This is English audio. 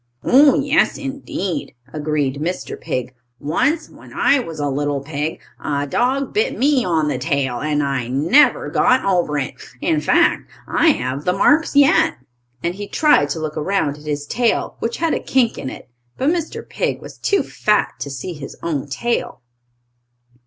"Oh, yes, indeed!" agreed Mr. Pig. "Once, when I was a little pig, a dog bit me on the tail, and I never got over it. In fact I have the marks yet," and he tried to look around at his tail, which had a kink in it. But Mr. Pig was too fat to see his own tail.